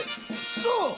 そう。